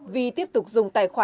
vi tiếp tục dùng tài khoản